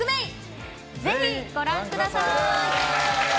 ぜひ、ご覧ください！